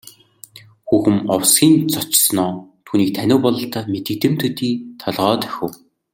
Хүүхэн овсхийн цочсоноо түүнийг танив бололтой мэдэгдэм төдий толгой дохив.